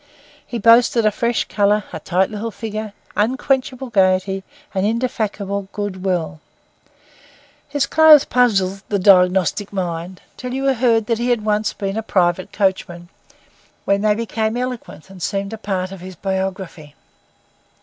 He boasted a fresh colour, a tight little figure, unquenchable gaiety, and indefatigable goodwill. His clothes puzzled the diagnostic mind, until you heard he had been once a private coachman, when they became eloquent and seemed a part of his biography.